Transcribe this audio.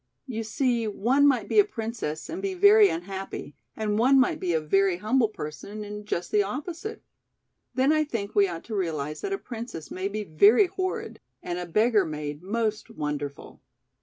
You see one might be a princess and be very unhappy and one might be a very humble person and just the opposite. Then I think we ought to realize that a princess may be very horrid and a beggar maid most wonderful."